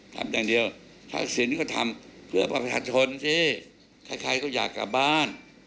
ทำอย่างเดียวถ้าสินก็ทำเพื่อประชาชนสิใครก็อยากกลับบ้าน